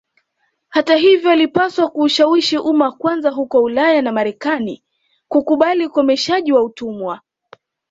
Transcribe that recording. Hata hivyo walipaswa kuushawishi umma kwanza huko Ulaya na Marekani kukubali ukomeshaji wa utumwa